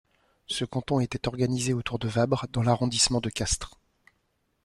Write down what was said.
Ce canton était organisé autour de Vabre dans l'arrondissement de Castres.